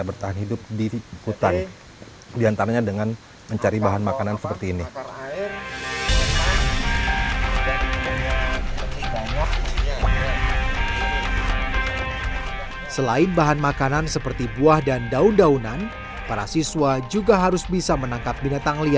bukannya nanti kita berpukul ujung